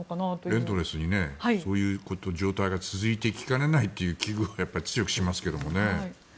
エンドレスにそういう状態が続いていきかねないという危惧を強くしますけどね。